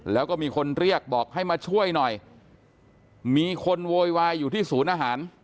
แล้วก็มีคนเรียกบอกให้มาช่วยหน่อยมีคนโวยวายอยู่ที่ศูนย์อาหาร